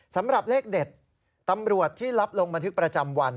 สำหรับเลขเด็ดตำรวจที่รับลงบันทึกประจำวัน